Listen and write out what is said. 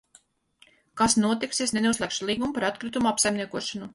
Kas notiks, ja es nenoslēgšu līgumu par atkritumu apsaimniekošanu?